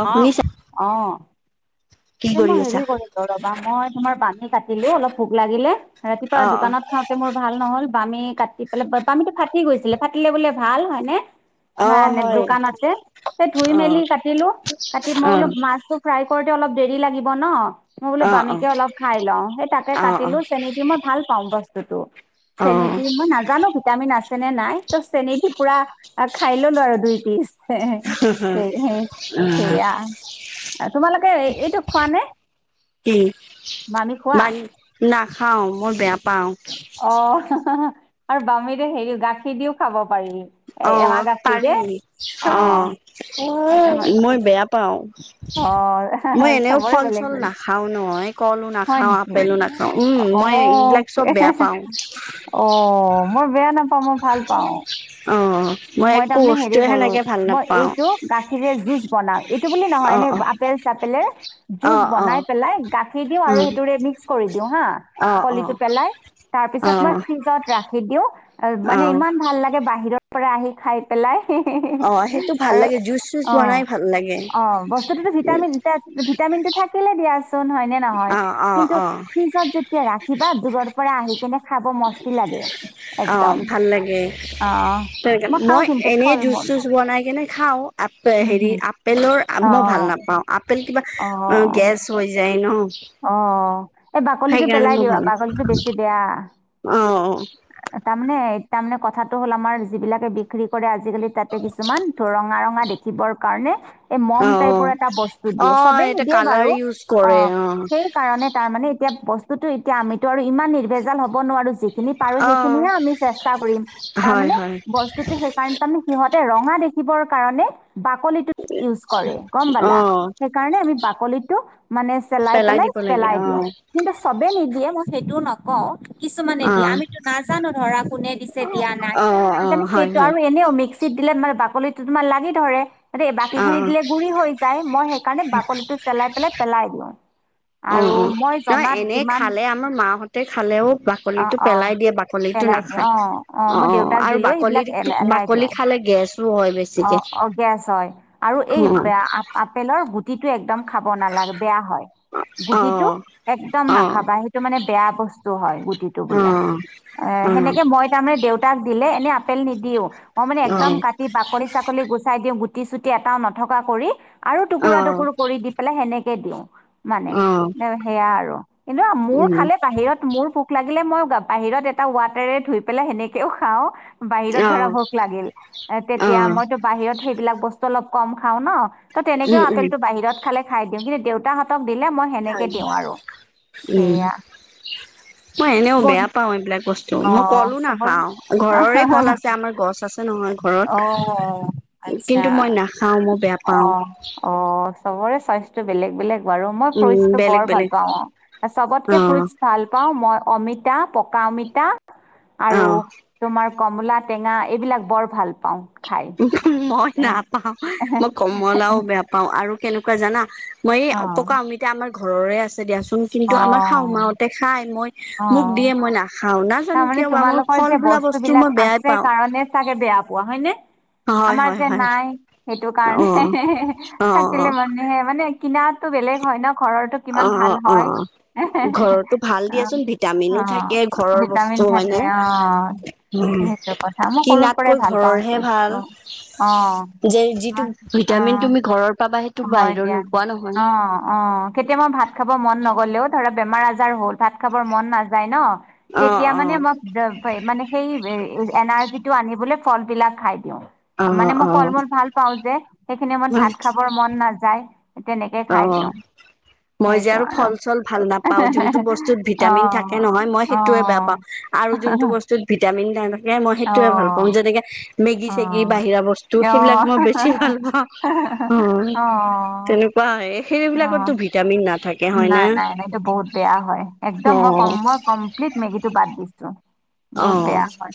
অ আহ শুনিছা অ' কি এ কৰি মই আছা হেৰি কৰিলো ৰবা, মই তোমাৰ পানী কাটিলো অলপ ভোক লাগিলে ৰাতিপুৱা অ অ দোকানত খোৱাটো মোৰ ভাল নহ'ল, বামী কাটি পেলাই বামীটো ফাটি গৈছিলে, ফাটিলে বোলে ভাল হয়নে? অ মানে এ হয় দোকানতে, সেই ধুই অ মেলি কাটিলো কাটি মই অ বোলো মাছটো ফ্ৰাই কৰোতে অলপ দেৰি লাগিব ন। মই বোলো অ অ বামীকে অলপ খাই লওঁ সেই তাকে অ অ কাটিলো চেনি দি মই ভাল পাওঁ বস্তুটো। অ চেনি দি অ মই নাজানো ভিটামিন আছে। আছেনে নাই তো চেনী দি পোৰা খাই ললো আৰু দুই পিচ। হে হে সেই হে সেইয়া তোমালোকে ই। খোৱা নে কি মামি খোৱা। খাওঁ মই বেয়া। পাও অহ হাহা আৰু বামীদি হেৰি গাখীৰ দিও খাব পাৰি। এ অ এমাহ গাখীৰ পাৰি যে অ সেইটো হয় মই বেয়া পাওঁ। অ', মই এনেও চবৰে ফল বেলেগ চল বেলেগ নাখাও নহয় কলো হয় নাখাও আপেলো নাখাও উম মই। এইবিলাক। চব এ হে বেয়া হে পাও অ মই বেয়া নাপাওঁ মই ভাল পাওঁ। অ মই একো তামানে হেৰি বস্তুৱে কৰো সেনেকে ভাল মই নাপাও এইটো গাখিৰে জুচ বনাও এইটো বুলি নহয় অ এনে অ আপেল চাপেল। অ জুচ অ অ বনাই পেলাই গাখীৰ দিও আৰু সেইটোৰে মিক্স কৰি দিও হা অ বলি। পেলাই তাৰ অ পিছত মই ফিৰিছত ৰাখিদিও আৰু অ অ মানে ভাল লাগে বাহিৰত। পৰা আহি খাই পেলাই সি সি। অ সেইটো ভাল আৰু লাগে জুচ চুচ অ বনাই ভাল লাগে অ বস্তুটোতো ভিটামিন এতিয়া ভিটামিনটো থাকে। দিয়াচুন হয়নে নহয় অ অ কিন্তু অ ফিৰিচত যেতিয়া ৰাখি। বা দূৰৰ পৰা আহি কেনে খাব মস্তি লাগে। অঁহ একদম ভাল লাগে। অ খাওঁ মই কিন্তু এনেই ফল জুচ মূল চুচ বনাই কেনে খাও আপ উম হেৰি হুম আপেলৰ অ মই ভাল নাম। [unintelligible] পাওঁ আপেল কিবা অহ গেছ হৈ যায়। ন অহ এই বাকলিটো সেইকাৰণে পেলাই দিবা বাকলিটো বেছি বেয়া। অহ অহ। তামানে তামানে কথাটো হল আমাৰ যিবিলাকে বিক্ৰী কৰে আ আজিকালি তাতে কিছুমান ৰঙা ৰঙা দেখিবৰ কাৰণে এই মম অ অ টাইপৰ এটা বস্তু অ দিয়ে চবে। এটা কালাৰ ইউজ কৰে অহ সেই কাৰণে তাৰ মানে এতিয়া বস্তুতটো এতিয়া আমিতো আৰু ইমান নিৰ্ভেজাল হ'ব নোৱাৰো। যিখিনি পাৰো অ সেইখিনিহে আমি চেষ্টা কৰিম তাৰ হয় মানে হয় বস্তুটো সেইকাৰণে তামানে সিহঁতে ৰঙা দেখি। দেখিবৰ কাৰণে। বাকলিটোত ইউজ কৰে গম অ পালা সেইকাৰণে আমি বাকলিটো মানে। পেলাই পেলাই দিব লাগে পেলাই অ দিওঁ কিন্তু চবে নিদিয়ে মই সেইটো নকওঁ। কিছুমানে অ দিয়া আমিতো নাজানো ধৰা কোনে দিছে দিয়া নাই। অ অ সেইকাৰণে হয় সেইটো হয় আৰু এনেও মিক্সিত দিলে মানে বাকলিটো তোমাৰ লাগি ধৰে। তাতে বাকী অ খিনি অ দিলে গুৰি হৈ যায় মই সেইকাৰণে বাকলিটো চেলাই পেলাই পেলাই দিওঁ। অহ আৰু অহ মই নহয় জনাত এনেই যিমান খালে আমাৰ মাহঁতে খালেও অ বাকলিটো অ পেলাই দিয়ে বাকলি। পেলাই দিওঁ নাখায় অ অ মই অহ অহ দেউতাক আৰু দিলো বাকলি সেইবিলাক এ এলাই বাকলি দিওঁ খালে গেছো হয় অ বেছিকে। অ গেছ হয় আৰু অ এই বেয়া আ আপেলৰ গুটিটো একদম খাব নালাগে বেয়া হয়। অ গুটিটো একদম অ নাখাবা সেইটো মানে বেয়া বস্তু হয় গুটিটো অ বোলে। অহ অ সেনেকে মই তাৰমানে দেউতাক দিলে। এনে আপেল নিদিও মই মানে একদম কাটি বাকলি চাকলি গুচাই দিওঁ গো গুটি চুটি এটাও নথকা কৰি আৰু টুকুৰা টুকুৰ অ কৰি দি পেলাই সেনেকে দিওঁ। মানে অ অ সেয়া আৰু কিন্তু মোৰ উম খালে বাহিৰত মোৰ পোক লাগে। থাকিলে মইয়ো খাম বাহিৰত এটা ৱাটাৰে ধুই পেলাই সেনেকেও খাওঁ। বাহিৰত অ ধৰা ভোক লাগিল এ অ তেতিয়া মইতো বাহিৰত সেইবিলাক বস্তু অলপ কম খাওঁ ন। তো' তেনেকেও উম উম আপেলটো বাহিৰত খালে খাই দিওঁ কিন্তু দেউতাহত। উম। সেয়া মই এনেও বন বেয়া পাও এইবিলাক বস্তু। ত অ মই কলো চবৰে নাখাও ঘৰৰে কল আছে আমাৰ গছ আছে নহয় ঘৰত। অ', আচ্ছা কিন্তু মই নাখাওঁ মই বেয়া পাওঁ। অ', অ চবৰে চইচ টো বেলেগ বেলেগ বাৰু মই উম ফ্ৰুইটচটো বেলেগ বৰ ভাল বেলেগ পাও অ অ চবতকে ফ্ৰইটছ ভাল পাও মই অমিত তা পকা অমিতা অ আৰু তোমাৰ কমলা টেঙা এইবিলাক বৰ ভাল পাওঁ খাই মই অ', নাপাও মই কমলাও বেয়া পাও আৰু কেনেকুৱা জানা মই অ', পকা অমিতা আমাৰ ঘ ঘৰৰে আছে দিয়াচোন কিন্তু আমাৰ শাহু মাত হতে খাই মই মোক দিয়ে অ', মই নাখ খাও নাজানো তাৰমানে কিয় বা মোৰ তোমালোকৰ ফল যে বোলা বস্তু বস্তুবিলাক মই বেয়াই আছে পাওঁ কাৰণে চাগে বেয়া পোৱা হয়নে? হয় আমাৰ হয় যে হয় নাই সেইটো অ কাৰণে অ থাকিলে মানুহে মানে কিনাতো বেলেগ হয় ন ঘৰৰটো অ কিমান অ ভাল অ হয় হুে হুে ঘৰতো ভাল দিয়াচোন ভিটামিনো থাকে অহ অহ ঘৰৰ ভিটামিন বস্তু থাকে হয়নে অহ সেইটো কথা মই সৰুৰ পৰাই কিনাতকৈ ভাল পাওঁ ঘৰৰহে ভাল যে অহ যিটো ভিটামিন তুমি ঘৰৰ পাবা সেইটো অহ হয় বাহিৰৰ দিয়া নোপোৱা নহয় অহ অহ কেতিয়াবা ভাত ভাত খাব মন নগলেও ধৰা বেমাৰ আজাৰ হ'ল ভাত খাব মন নাযায় ন অ তেতিয়া মানে মই মানে সেই এনাৰ্জি টো আনিব ফল বিলাক খাই দিওঁ মানে মই ফল অ মূল ভাল পাওঁ যে সেইখিনি মই অ ভাত খাবৰ মন নাযায় তেনেকে খাই অ অ দিওঁ মই যে আৰু ফল চল ভাল নাপাওঁ যোনটো বস্তুত অ', ভিটামিন থাকে নহয় মই সেইটোয়ে বে অ', নেপাওঁ আৰু যোনটো বস্তুত ভিটামিন নাথাকে মই অ', অ', সেইটোয়ে ভাল পাওঁ যেনেকে মেগী অ', চেগী বাহিৰা বস্তু সেইবিলাক মই বেছি ভাল পাওঁ অ', তেনে অ'। সেইবিলাকতো ভিটামিন নাথাকে নাই হয়না নাই নাই এইটো বহুত বেয়া হয় একদম অ মই কম মই কমপ্লিট মেগীটো বাদ দিছো অ বহুত বেয়া হয়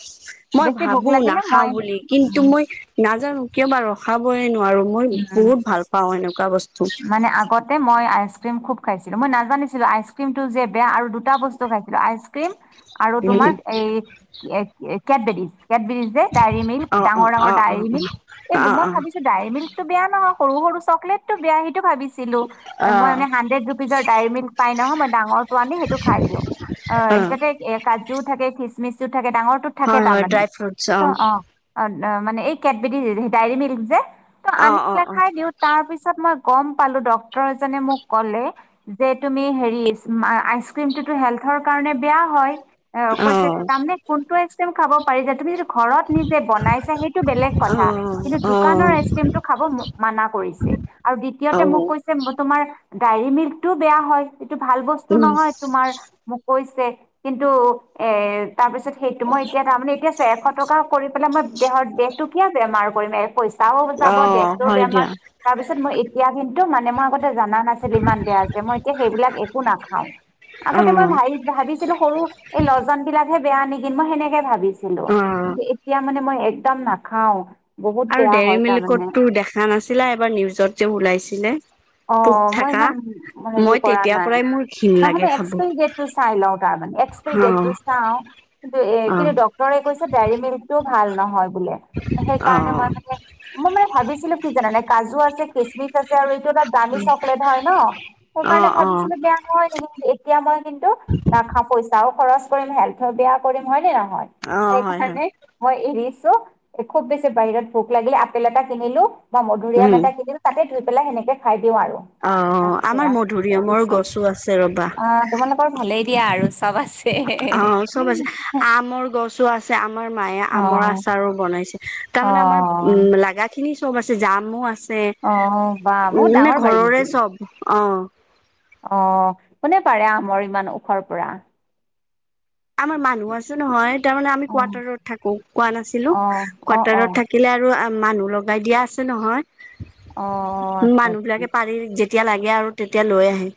মই বেছি ভোক ভাবো লাগিলে নাখাওঁ মই বুলি কিন্তু উম মই নাজানো কিয় বা ৰখাবই নোৱাৰো মই উম বহুত ভাল পাও এনেকুৱা বস্তু মানে আগতে মই আইচ ক্ৰীম খুব খাইছিলো মই নাজানিছিলো আইচ ক্ৰীমতটো যে বেয়া আৰু দুটা বস্তু খাইছিলো আইচ ক্ৰীম আৰু তোমাৰ উম এই কেটবেদিজ কেটবিৰিজ যে ডায়ৰী মিল্ক অ অ ডাঙৰ ডাঙৰ অ অ ডায়ৰী মিল্ক অ এইবোৰ অ মই ভাবিছো ডায়েৰ মিল্কতটো বেয়া নহয়। সৰু সৰু চকলেটটো বেয়া। সেইটো ভাবিছিলো অ মই মানে হাড্ৰেড ৰুপিজৰ ডায়ৰী মিল্ক পাই নহয় মই ডাঙৰটো আনি সেইটো খাই দিওঁ অ সেই তাতে এ কাজুও থাকে খিচমিচ ডাঙৰ টোত থাকে হয় তাৰ হয় মানে ড্ৰাই ফ্ৰুটছ অ অ মানে এই কেটবেট ডায়েৰিক মিল্ক যে ত' অ', আনি পেলাই অ', খাই দিও তাৰ পিছত মই গম পালোঁ ডক্তৰ এজনে মোক কলে যে তুমি হেৰী আইচক্ৰীম টো ত হেল্থৰ কাৰণে বেয়া হয় অ কৈছে তামানে কোনটো এক্সট্ৰেমত খাব পাৰি তুমি যদি ঘৰত নিজে বনাইছে সেইটো বেলেগ কথা কিন্তু দোকানৰ আইচ ক্ৰীম টো খাব মানা কৰিছে আৰু দ্বিতীয়তে মোক কৈছে তোমাৰ ডায়েৰী মিল্কটোও বেয়া হয় এইটো ভাল বস্তু নহয় তোমাৰ মোক কৈছে কিন্তু এ তাৰপিছত সেইটো মই এতিয়া তাৰমানে এতিয়া এশ টকা কৰি পেলাই মই দেহত দেহটো কিয় বেমাৰ কৰিম এক পইচা পইছা যাব অ', দেহতও হয় বেমাৰ দিয়া তাৰ পিছত মই এতিয়া কিন্তু মানে মই আগতে জানা নাছিল ইমান বেয়া যে মই এতিয়া সেইবিলাক একো নাখাও আগতে মই অ', ভ ভাবিছিলো সৰু এই লজন বিলাক বেয়া নেকি মই সেনেকে ভাবিছিলো অ', কিন্তু এতিয়া মানে মই একদম নাখাও বহুত আৰু বেয়া ডেৰী হয় তাৰমানে মিল্কতো দেখা নাছিলা এবাৰ নিউজত যে ওলাইছিলে অ পোক মই থাকা ইমান হেৰি মই কৰা তেতিয়াৰ নাই পৰাই মোৰ ঘিণ নহ লাগে খাব অ', এক্সপেৰি দেট টো চাই লওঁ তাৰ এক্সপাই দেটটো চাও কিন্তু এ অ', কিন্তু ডক্তৰে কৈছে দেৰি মিল্ক টো ভাল নহয় বোলে সেইকাৰণে অ', মই মানে মই মানে ভাবিছিলো কি জানানে কাজু আছে কেচমিচ আছে আৰু এইটো দামি চকলেট হয় ন সেইকাৰণে অ', অ', ভাবিছিলো বেয়া নহয় নে এতিয়া মই কিন্তু নাখাও পইচা খৰচ কৰিম হেল্থ টো বেয়া কৰিম হয়নে নহয় অ', সেই হয়, হয় কাৰণে খুব বেছি বাহিৰত ভোক লাগিলে আপেল এটা কিনিলো বা মধুৰিআম উম, এটা কিনিলো তাতে ধূই পেলাই সেনেকে দিও আৰু অ', আমাৰ সেয়া অ মধুৰিআমৰ গছো আছে ৰ'বা তোমালোকৰ ভালেই দিয়া আৰু চব আছে। অ চব আছে আমৰ গছো আছে আম আমাৰ মায়ে আমৰ অ', আচাৰো বনাইছে তাৰ মানে আমাৰ উম অ', লাগা খিনি চব আছে জামো আছে অহ বা উম বহুত মানে ডাঙৰ বাৰী ঘৰৰে নেকি চব অ কোনে পাৰে আমৰ ইমান ওখৰ পৰা আমাৰ মানুহ আছে নহয় তাৰমানে আমি অ', কুৱাতাৰত থাকো কোৱা নাছিলোঁ অ', তোমাক অ', অ', কুৱাতাৰত থাকিলে আৰু মানুহ লগাই দিয়া আছে অ', নহয় আচ্ছা মানুহ আচ্ছা বিলাকে পাৰি যে যেতিয়া লাগে আৰু তেতিয়া লৈ আহে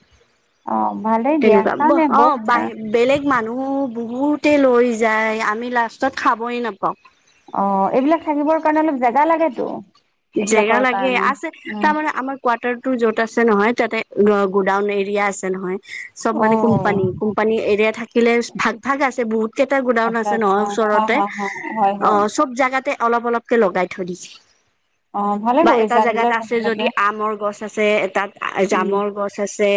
অ', ভালেই দিয়া তেনেকুৱা তাৰমানে অ বহুত জা বাহ বেলেগ মানুহ বহুতে লৈ যায় আমি লাষ্টত খাবই নাপাওঁ অ এইবিলাক থাকিবৰ কাৰণে অলপ জেগা লাগেতো জেগা এইবিলাকৰ লাগে কাৰণে আছে উম, তাৰমানে আমাৰ কোৱাতাৰটো টো য'ত আছে নহয় তাতে অ গুডাউন এৰিয়া আছে নহয় চব মানে অ'। কোম্পানী কোম্পানী এৰিয়া থাকিলে ভাগ ভাগ আছে বহুত কেইটা গোডাউন আচ্ছা আছে আচ্ছা নহয় হা ওচৰতে হা হা হয় অ হয় চব জেগাতে অলপ অলপকে লগাই থৈ দিছে অ ভাল বা এটা জেগাত আছে যদি আমৰ গছ আছে তাত উম জামৰ গছ আছে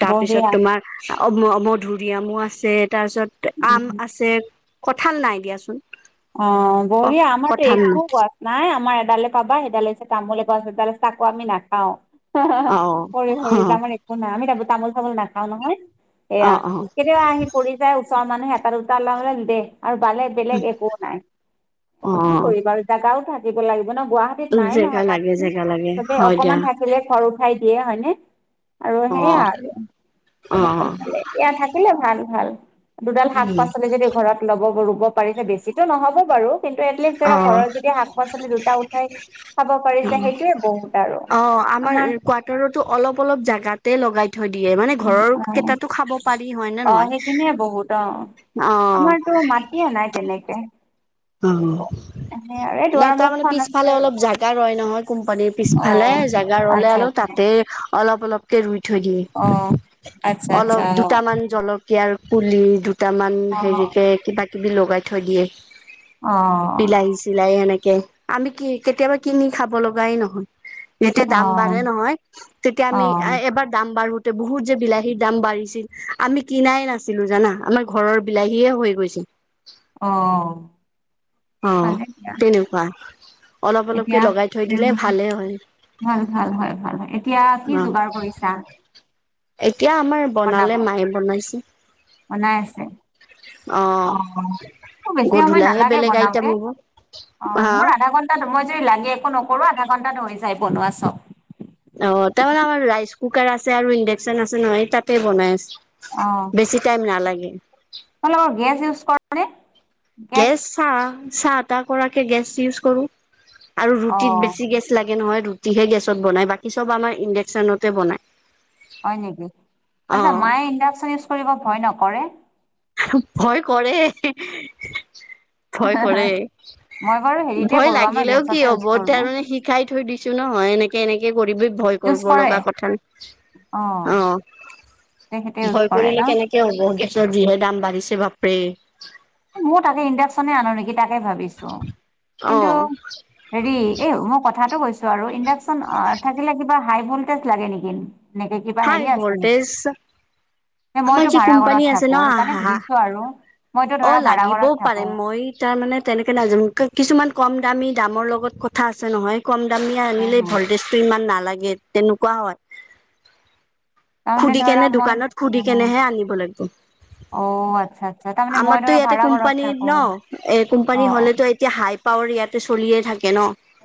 তাৰপিছত বঢ়িয়া ছত তোমাৰ অ মধূৰিআমো আছে তাৰপিছত আম উম আছে কঁঠাল নাই দিয়াচোন অ বঢ়িয়া আমাৰতো কঁঠাল একো নাই গছ নাই আমাৰ সেডালে পাবা সেইডাল হৈছে তামোল এ গছ এডাল চাকো আমি নাখাও অ সৰি অ সৰি যামৰ একো নাই আমি যাবো তামোল চামোল নাখাও নহয় সেয়া অ কেতিয়াবা আহি পৰি যায় ওচৰৰ মানুহ হেতাত দুটা ল দে আৰু বেলেগ বেলেগ একো নাই অ কি অ কৰিবা আৰু জাগাও থাকিব লাগিব ন গুৱাহাটীত নাই জেগা নহয় লাগে মাটি জেগা লাগে চবে হয় দিয়া অকমান থাকিলে ঘৰ উঠাই দিয়ে হয়নে আৰু অ সেইয়া আৰু অ তেনেকে ভালে এয়া থাকিলে ভাল ভাল দুডাল শাক উম পাচলি যদি ঘৰত লব ৰুব পাৰিছে বেছিটো নহব বাৰু কিন্তু এটলিষ্ট অ ধৰা ঘৰত যদি শাক পাচলি দুটা উঠাই খাব পাৰিছে সেইটোয়ে বহুত আৰু অ আমাৰ কোৱাটাৰটো অলপ অলপ জাগাতে লগাই থৈ দিয়ে মানে ঘৰৰ অ', কেইটাতো খাব পাৰি হয় নে অ', নহয় সেইখিনিয়ে বহুত অ', অ আমাৰতো মাটিয়ে নাই তেনেকে অ একো। সেই আৰু এই ন দুৱাৰ তাৰ মানে মুখখন আছে পিছফালে আৰু। অলপ জোগা ৰয় নহয় কোম্পানীৰ পিছফালে অ', জোগা ৰলে আচ্ছা অলপ আচ্ছা তাতে অলপ অলপকে ৰুই থৈ অ', দিয়ে আচ্ছা আচ্ছা অলপ দুটামান জল কীয়াৰ পুলি দুটামান অ', হেৰিকে কিবা কিবি লগাই থৈ দিয়ে অ', অ', বিলাহী চিলাহী এনেকে আমি কি কেতিয়াবা কিনি খাব লগাই নহয় যেতিয়া দাম অ', বাঢ়ে নহয় তেতিয়া আমি অ', এবাৰ দাম বাঢ়োতে বহুত যে বিলাহীৰ দাম বাঢ়িছিল আমি কিনাই নাছিলো জানা আমাৰ ঘৰৰ বিলাহীয়ে হৈ গৈছিল অ অ ভালে দিয়া তেনেকোৱা অলপ অলপকে এতিয়া লগাই থৈ দিলে উম। ভালে হয় ভাল ভাল হয় ভাল হয় এতিয়া কি অ যোগাৰ কৰিছা এতিয়া আমাৰ বনাব বনালে মায়ে বনাইছে বনাই আছে অ অ বেছি সময় গধূলাহে নালাগে বেলেগ বনাব আইটেম হয়নে হ'ব অ হা মোৰ আধা ঘন্টাই যদি লাগে একো ন সৰু আধা ঘণ্টা হৈ যায় বনোৱা চব অ তাৰমানে আমাৰ ৰাইচ কুকাৰ আছে আৰু ইণ্ডাকচন আছে নহয় তাতে বনাই অ আছো বেছি টাইম নালাগে তোমালোকৰ গেছ ইউজ কৰা নে? গেছ চাহ চাহ তাহ কৰাকে গেছ ইউজ কৰো আৰু অ ৰুটিত বেছি গেছ লাগে। নহয়, ৰুটি হে গেছত বনাই, বাকী চব আমাৰ ইণ্ডাকচনতে বনাই। হয় নেকি। অ আচ্ছা মায়ে ইণ্ডাকচন ইউজ কৰিব ভয় নকৰে? ভয় কৰে ভয় কৰে। মই বাৰু হেৰিতে ভয় কৰো আমাৰ লাগিলেও কি গেছতে ইউজ হ'ব কৰো তাৰমানে শিকাই থৈ দিছো নহয়, এনেকে এনেকে কৰিবি ভয় ইউজ কৰিব কৰে লগা কথা অ। তেখেতে ইউজ ভয় কৰে কৰিলে ন কেনেকে হ'ব, গেছৰ যহে দাম বাঢ়িছে বাপৰে। মোৰ তাতে ইণ্ডাকশ্যনে আনো নেকি। তাকে ভাবিছো। অ কিন্তু হেৰি এই মই কথাটো কৈছো আৰু ইণ্ডাক ইণ্ডাক্সন থাকিলে কিবা হাই ভলটেজ লাগে নেকি, এনেকে কিবা হাই হেৰি আছে নেকি? ভল্টেজ আমাৰ মইতো যি ভাড়া কোম্পানী ঘৰত আছে থাকো। সেইকাৰণে ন সুধিছো আৰু মইতো অ ধৰা ভাড়া ঘৰত লাগিবও পাৰে থাকো মই তাৰ মানে তেনেকে নাজান কিছু ইমান কম দামী দামৰ লগত কথা আছে নহয় কম দামী হা আনিলে হা ভল্টেজ টো ইমান নালাগে। তেনেকোৱা হয়। তাৰমানে সুধি ধৰা কেনে মই দোকানত সুধি উম কেনেহে আনিব লাগিব। অ আচ্ছা আচ্ছা তাৰমানে মই আমাৰতো ধৰা ইয়াতে ভাড়া ঘৰত কোম্পানী থাকো ন, এ অ কোম্পানী হলেতো অ এতিয়া হাই পাৱৰ ইয়াতে চলিয়ে থাকে ন।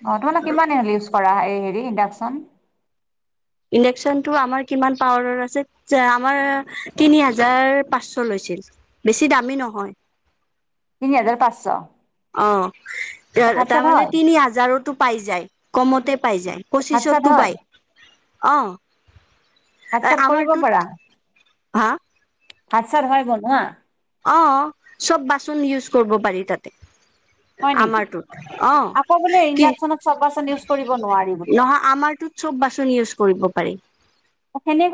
অ তোমালোক কিমান হ ইউজ কৰা এই হেৰি ইণ্ডাকচন? ইণ্ডাকচন টো আমাৰ কিমান পাৱাৰৰ আছে। আমাৰ তিনি হাজাৰ পাঁচশ লৈছে। বেছি দামী নহয়। তিনি হাজাৰ পাঁচশ। অ ভাত তাৰ চাত মানে হয় তিনি হাজাৰো পাই যায়, কমতে পাই যায়, ভাত চাত পঁচিছৰটো হয় পাই, অ'। ভাত-চাত কৰিব আমাৰটোত পাৰা, হা ভাত চাত হয় বনোৱা? অ চব বাচন ইউজ কৰিব পাৰি তাতে। হয় নেকি আমাৰটোত, অ আকৌ বোলে কি ইণ্ডাকচনত চব বাচন ইউজ কৰিব নোৱাৰি বোলে নহয় আমাৰ ত চব বাচন ইউজ কৰিব পাৰি। [inaudible]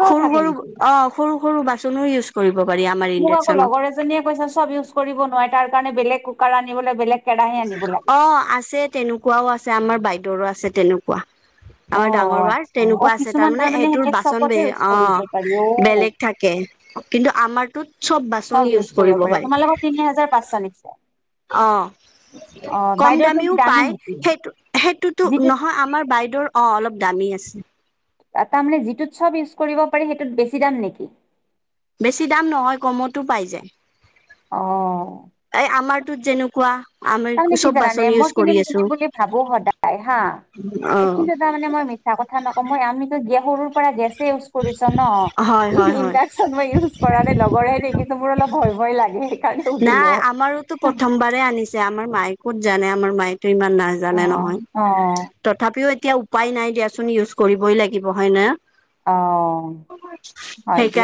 সৰু থাকে সৰু নেকি? অ সৰু সৰু বাচনো ইউজ কৰিব। পাৰি আমাৰ মোক আকৌ ইণ্ডাকচনত লগৰ এজনীয়ে কৈছে চব ইউজ কৰিব নোৱাৰে। তাৰ কাৰণে বেলেগ কুকাৰ আনিবলে বেলেগ কেৰাহী আনিব লাগিব। অ আছে। তেনেকুৱাও আছে আমাৰ বাইদেউৰো আছে তেনেকুৱা। [inaudible] আমাৰ ডাঙৰ বাৰ আচ্ছা অ' তেনেকুৱা আছে কিছুমান তাৰমানে। সেইটোৰ সেনে বাচন বে চবতে ইউজ কৰিব পাৰি অ বেলেগ থাকে। কিন্তু আমাৰটোত চব বাচন ইউজ কৰিব পাৰে পাৰি। তোমালোকৰ তিনি হাজাৰ পাঁচশ নিছে অ। অ' কম বাইদেউৰটো কি দামীও দামী পায়। নেকি? সেইটো সেইটোতো যিটোত নহয় আমাৰ বাইদেউৰ অ অলপ, দামী আছে। তাৰমানে যিটোত চব ইউজ কৰিব পাৰি সেইটোত বেছি দাম নিকি? বেছি দাম নহয় কমতো পাই যায়। অ। এই আমাৰটোত যেনেকুৱা আমি তাৰমানে কি চব জানানে বাচন ইউজ মই কৰি কিনিম আছো কিনিম বুলি ভাবো সদায় হা। অ এই কিন্তু তাৰ মানে মই মিছা কথা নকওঁ। মই আমি কৈ সৰুৰ পৰাই গেছে ই কৰিছো ন, হয় ইন হয় হয় ইণ্ডাকচন মই ইউছ কৰা নাই লগৰে দে - মোৰ অলপ ভয় ভয় লাগে। সেইকাৰণে সুধিলো। নাই আমাৰোতো প্ৰথমবাৰে আনিছে। আমাৰ মায়ে কত জানে আমাৰ মায়ে ইমান অ নাজানে নহয়। অ তথাপিও এতিয়া উপাই নাই দিয়াচোন ইউজ কৰিবই লাগিব হয় ন। অ, হয় দিয়া। সেইকাৰণে